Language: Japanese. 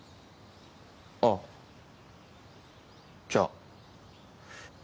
あぁじゃあ。